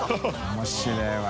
面白いわ。